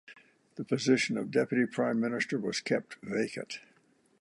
The position of Deputy Prime Minister was kept vacant.